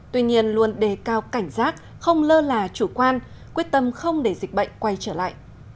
tuy nhiên luôn đề cao cảnh giác không lơ là chủ quan quyết tâm không để dịch bệnh quay trở lại